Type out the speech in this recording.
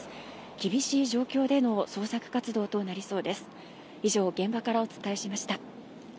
厳しい状況での捜索活動となりそうです。